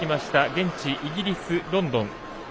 現地イギリス・ロンドン。